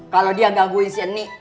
kalau dia gangguin sini